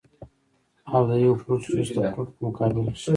او د يو فروټ جوس د فروټ پۀ مقابله کښې